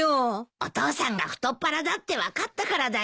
お父さんが太っ腹だって分かったからだよ。